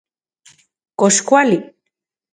¿Kox kuali...?